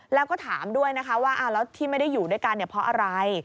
แล้วก็ถามด้วยนะคะว่าแล้วที่ไม่ได้อยู่ด้วยกันเพราะอะไร